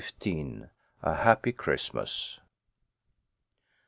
A HAPPY CHRISTMAS.